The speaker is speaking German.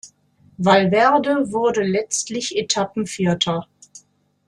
Valverde wurde letztlich Etappen-Vierter.